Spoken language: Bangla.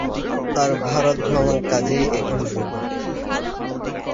তাঁর ভারতভ্রমণ কাজেই এখন রইল।